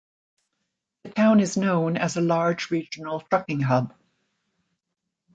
The town is known as a large regional trucking hub.